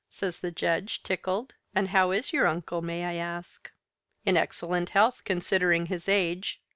says the Judge, tickled, "and how is your uncle, may I ask?" "In excellent health considering his age.